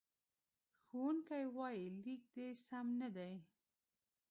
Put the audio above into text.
ښوونکی وایي، لیک دې سم نه دی.